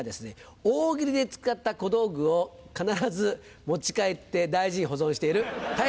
大喜利で使った小道具を必ず持ち帰って大事に保存しているたい平さんです。